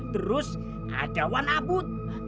terus ada wanabut